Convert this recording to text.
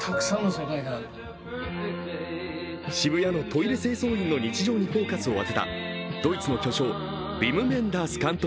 渋谷のトイレ清掃員の日常にフォーカスを当てたドイツの巨匠、ヴィム・ヴェンダース監督